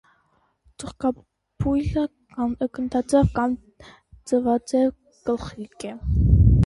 Ծաղկաբույլը գնդաձև կամ ձվաձև գլխիկ է։